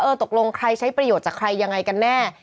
ตกลงใครใช้ประโยชน์จากใครยังไงกันแน่